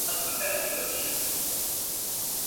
除了选举还是选举